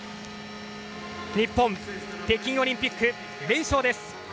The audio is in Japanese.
日本、北京オリンピック連勝です。